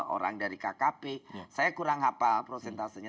orang dari kkp saya kurang hafal prosentasenya